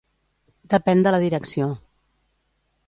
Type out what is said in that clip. Depèn de la direcció.